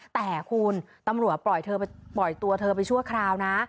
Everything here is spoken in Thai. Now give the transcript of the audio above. แต่คุณตำรวจปล่อยตัวเธอไปชั่วคราวนะ